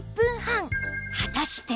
果たして